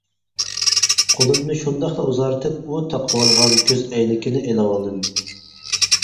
قولۇمنى شۇنداقلا ئۇزارتىپ ئۇ تاقىۋالغان كۆز ئەينىكىنى ئېلىۋالدىم.